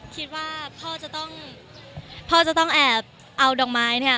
คิดว่าพ่อจะต้องพ่อจะต้องแอบเอาดอกไม้เนี่ย